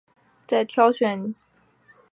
在挑选新会员方面骷髅会也有传统。